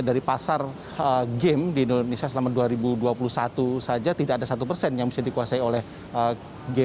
dari pasar game di indonesia selama dua ribu dua puluh satu saja tidak ada satu persen yang bisa dikuasai oleh game